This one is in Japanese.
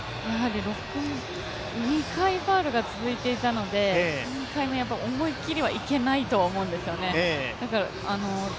２回ファウルが続いていたので、思い切りはいけないと思うんですよね。